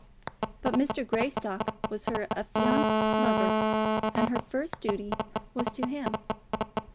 But Mr. Greystock was her affianced lover, and her first duty was to him.